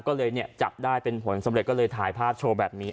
ก็เลยเนี่ยจับได้เป็นผลสำเร็จก็เลยถ่ายภาพโชว์แบบนี้